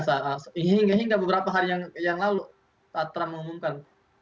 sehingga hingga beberapa hari yang lalu trump mengumumkan